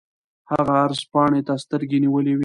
هغه عرض پاڼې ته سترګې نیولې وې.